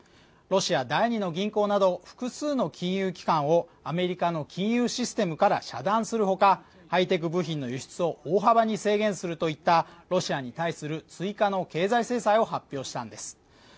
ロシア第２の銀行など、複数の金融機関をアメリカの金融システムから遮断するほか、ハイテク部品の輸出を大幅に制限するといったロシアに対する追加の経済制裁を発表したんです。